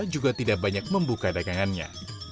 juga tidak banyak membuka dagangannya